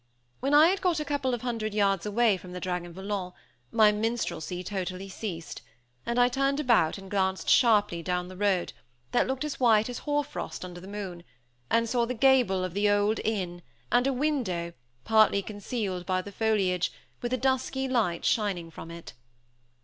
When I had got a couple of hundred yards away from the Dragon Volant, my minstrelsy totally ceased; and I turned about, and glanced sharply down the road, that looked as white as hoar frost under the moon, and saw the gable of the old inn, and a window, partly concealed by the foliage, with a dusky light shining from it.